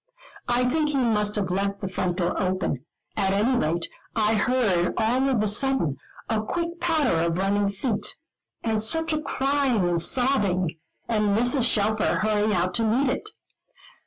I think he must have left the front door open; at any rate I heard, all of a sudden, a quick patter of running feet, and such a crying and sobbing, and Mrs. Shelfer hurrying out to meet it.